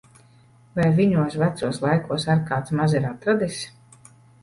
Vai viņos vecos laikos ar kāds maz ir atradis!